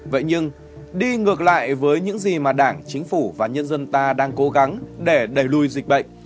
vậy nhưng đi ngược lại với những gì mà đảng chính phủ và nhân dân ta đang cố gắng để đẩy lùi dịch bệnh